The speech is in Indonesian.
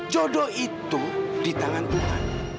jodoh itu di tangan tuhan